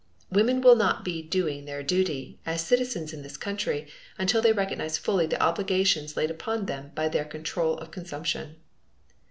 Women will not be doing their duty, as citizens in this country, until they recognize fully the obligations laid upon them by their control of consumption.